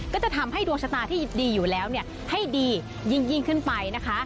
ก็จะทำให้ดวงชะตาที่ดีอยู่แล้วให้ดียิ่งขึ้นไปนะคะ